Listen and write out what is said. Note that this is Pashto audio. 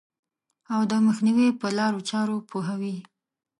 او د مخنیوي په لارو چارو پوهوي.